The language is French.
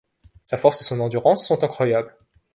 Sa force et son endurance sont incroyables.